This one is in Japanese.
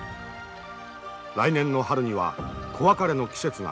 来年の春には子別れの季節が来る。